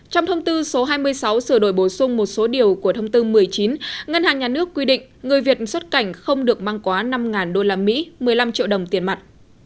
trong thông tư số hai mươi sáu sửa đổi bổ sung một số điều của thông tư một mươi chín ngân hàng nhà nước quy định người việt xuất cảnh không được mang quá năm usd một mươi năm triệu đồng tiền mặt